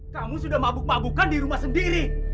kamu sudah mabuk mabukan di rumah sendiri